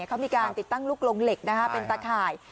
เขามีการติดตั้งลูกลงเหล็กเป็นตะข่าย